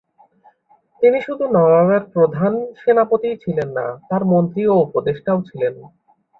তিনি শুধু নওয়াবের প্রধান সেনাপতিই ছিলেন না, তাঁর মন্ত্রী ও উপদেষ্টাও ছিলেন।